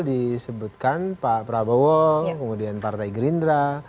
disebutkan pak prabowo kemudian partai gerindra